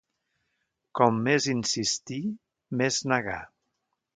Com més insistir, més negar.